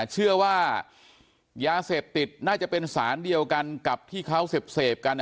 เชื่อว่ายาเสพติดน่าจะเป็นสารเดียวกันกับที่เขาเสพกัน